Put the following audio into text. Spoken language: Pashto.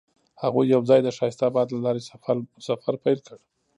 هغوی یوځای د ښایسته باد له لارې سفر پیل کړ.